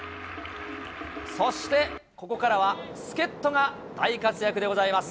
そして、ここからは助っ人が大活躍でございます。